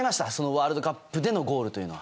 ワールドカップでのゴールというのは。